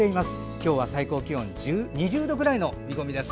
今日は最高気温２０度くらいの見込みです。